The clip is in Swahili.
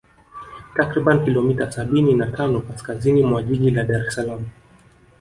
Takribani kilomita sabini na tano kaskaziini mwa Jiji la Daressalaam